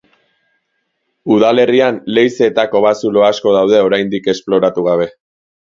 Udalerrian, leize eta kobazulo asko daude oraindik esploratu gabe.